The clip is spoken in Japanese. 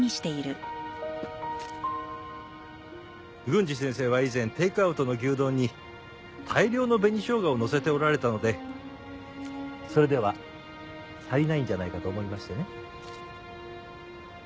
郡司先生は以前テイクアウトの牛丼に大量の紅しょうがをのせておられたのでそれでは足りないんじゃないかと思いましてね。